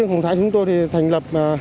riêng hồng thái chúng tôi thì thành lập